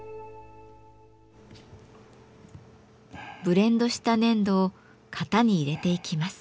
ブレンドした粘土を型に入れていきます。